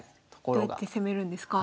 どうやって攻めるんですか？